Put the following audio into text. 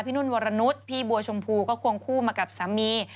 พี่นุ่นวรณุฑิชัตติพี่บัวชมพูก็ควงคู่มากับสามี